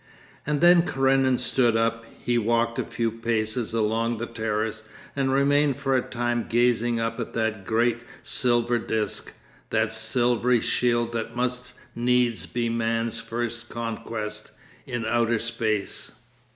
And then Karenin stood up. He walked a few paces along the terrace and remained for a time gazing up at that great silver disc, that silvery shield that must needs be man's first conquest in outer space....